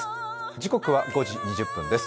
時刻は５時２０分です。